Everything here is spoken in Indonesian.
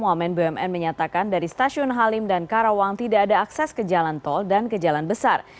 wamen bumn menyatakan dari stasiun halim dan karawang tidak ada akses ke jalan tol dan ke jalan besar